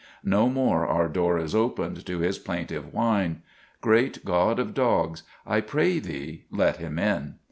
No more our door is opened to his plaintive whine. Great God of Dogs, I pray thee, let him in.